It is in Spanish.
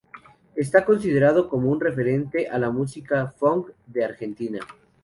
Está considerado como un referente de la música funk de Argentina.